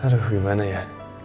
aduh gimana ya